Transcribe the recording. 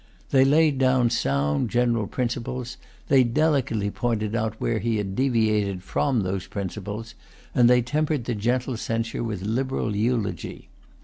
They laid down sound general principles; they delicately pointed out where he had deviated from those principles; and they tempered the gentle censure with liberal eulogy.